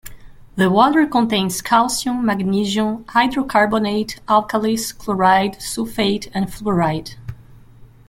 The water contains calcium, magnesium, hydrocarbonate, alkalis, chloride, sulfate and fluoride.